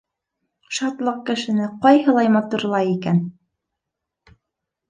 Шатлыҡ кешене ҡайһылай матурлай икән!